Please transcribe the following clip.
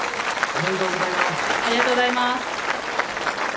ありがとうございます。